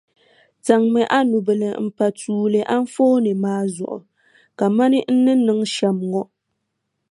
Zaŋmi a nubila m-pa tuuli anfooni maa zuɣu kamani n ni niŋ shɛm ŋɔ.